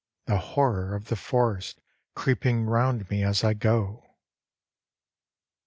The horror of the forest creeping round me as I go.